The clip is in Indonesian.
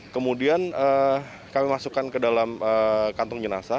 kemudian kami masukkan ke dalam kantung jenazah